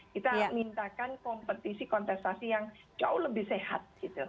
kita minta kompetisi kontestasi yang jauh lebih sehat gitu